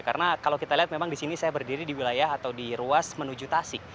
karena kalau kita lihat memang di sini saya berdiri di wilayah atau di ruas menuju tasik